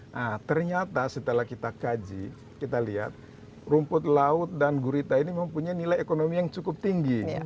nah ternyata setelah kita kaji kita lihat rumput laut dan gurita ini mempunyai nilai ekonomi yang cukup tinggi